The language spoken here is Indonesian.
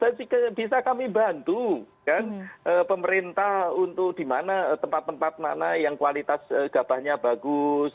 saya bisa kami bantu kan pemerintah untuk di mana tempat tempat mana yang kualitas gabahnya bagus